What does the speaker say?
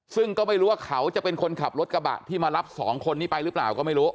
ซึ่งก็ไม่รู้ว่าเขาจะเป็นคนขับรถกระบะที่มารับสองคนนี้ไปหรือเปล่าก็ไม่รู้